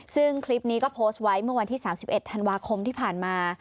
ซึ่งคลิปนี้ก็โพสต์ไว้เมื่อวันที่๓๑ธันวาคมที่ผ่านมา